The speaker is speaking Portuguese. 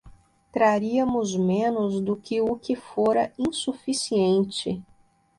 Traríamos menos do que o que fora insuficiente